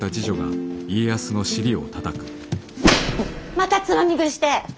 またつまみ食いして！